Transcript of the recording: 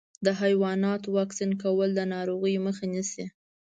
د حيواناتو واکسین کول د ناروغیو مخه نیسي.